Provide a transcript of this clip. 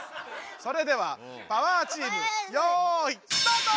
それではパワーチームよいスタート！